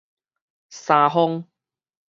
三豐